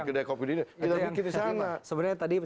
kedai kopi di dunia bikin di sana sebenarnya